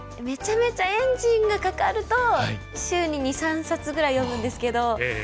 めちゃめちゃエンジンがかかると週に２３冊ぐらい読むんですけど。